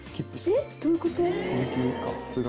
えっどういうこと？